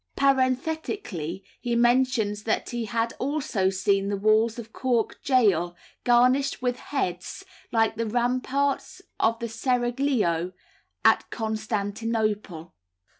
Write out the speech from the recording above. Parenthetically he mentions that he had also seen the walls of Cork gaol garnished with heads, like the ramparts of the seraglio at Constantinople.